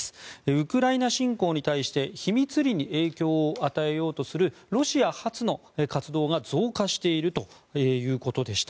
ウクライナ侵攻に対して秘密裏に影響を与えようとするロシア発の活動が増加しているということでした。